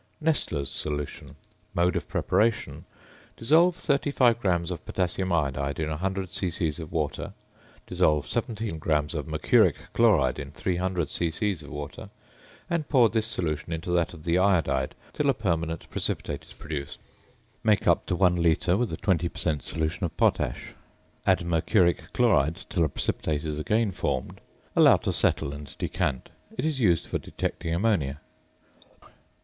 "~Nessler's Solution.~" Mode of preparation: Dissolve 35 grams of potassium iodide in 100 c.c. of water; dissolve 17 grams of mercuric chloride in 300 c.c. of water, and pour this solution into that of the iodide till a permanent precipitate is produced; make up to 1 litre with a 20 per cent. solution of potash; add mercuric chloride till a precipitate is again formed; allow to settle and decant. It is used for detecting ammonia.